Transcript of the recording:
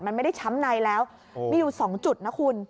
มันไม่ได้ช้ำในแล้วมีอยู่๒จุดนะคุณ